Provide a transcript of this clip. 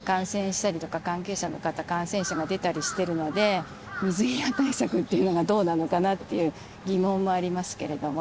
ＰＣＲ検査しても、選手、感染したりとか関係者の方、感染者出たりしてるので、水際対策っていうのがどうなのかなっていう疑問はありますけれども。